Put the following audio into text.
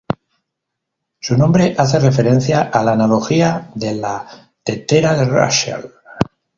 Su nombre hace referencia a la analogía de la tetera de Russell.